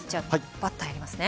バッターやりますね。